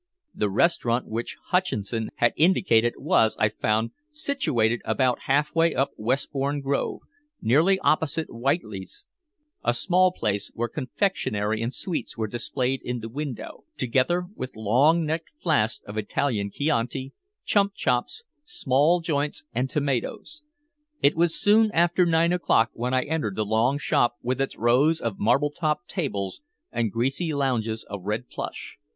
The restaurant which Hutcheson had indicated was, I found, situated about half way up Westbourne Grove, nearly opposite Whiteley's, a small place where confectionery and sweets were displayed in the window, together with long necked flasks of Italian chianti, chump chops, small joints and tomatoes. It was soon after nine o'clock when I entered the long shop with its rows of marble topped tables and greasy lounges of red plush.